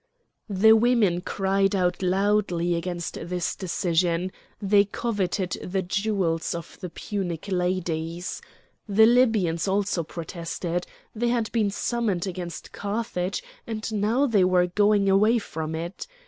The women cried out loudly against this decision; they coveted the jewels of the Punic ladies. The Libyans also protested. They had been summoned against Carthage, and now they were going away from it!